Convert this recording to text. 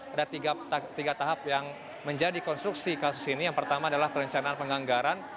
ada tiga tahap yang menjadi konstruksi kasus ini yang pertama adalah perencanaan penganggaran